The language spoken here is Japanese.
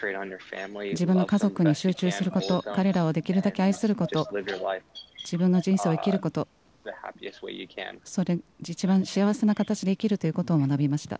自分の家族に集中すること、彼らをできるだけ愛すること、自分の人生を生きること、一番幸せな形で生きるということを学びました。